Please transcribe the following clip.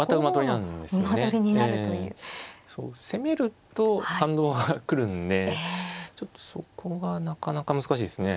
攻めると反動が来るんでちょっとそこがなかなか難しいですね。